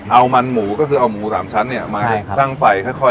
เอามันหมูก็คือเอาหมู๓ชั้นเนี่ยมาตั้งไฟค่อย